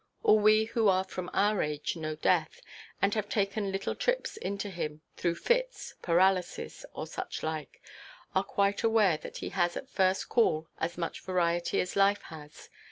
All we who from our age know death, and have taken little trips into him, through fits, paralysis, or such–like, are quite aware that he has at first call as much variety as life has.